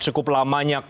cukup luas dan cukup luas